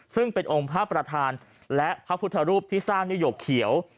ซึ่งเป็นองค์พระประธานและพระพุทธรูปที่สร้างเนื้อหยกเขียว